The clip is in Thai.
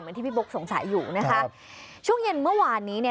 ที่พี่บุ๊กสงสัยอยู่นะคะช่วงเย็นเมื่อวานนี้เนี่ย